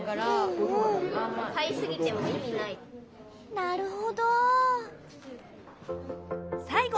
なるほど！